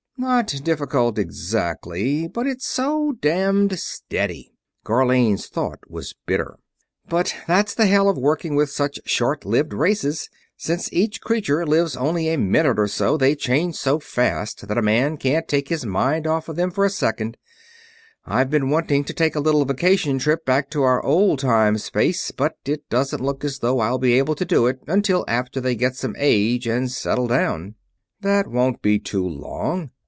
"Not difficult, exactly ... but it's so damned steady." Gharlane's thought was bitter. "But that's the hell of working with such short lived races. Since each creature lives only a minute or so, they change so fast that a man can't take his mind off of them for a second. I've been wanting to take a little vacation trip back to our old time space, but it doesn't look as though I'll be able to do it until after they get some age and settle down." "That won't be too long.